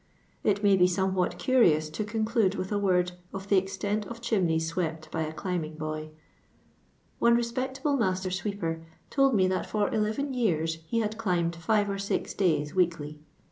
It may be somewhat cnrioni to conclude with a word of the extent of chimneya awept by a climbing boy. One respectable master sweeper toU me that for eleven yean he had climbed fire or six days weekly.